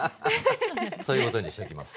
そういうことにしときます。